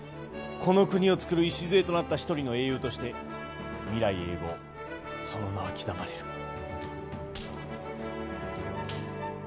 この国を造る礎となった一人の英雄として未来永劫その名は刻まれる。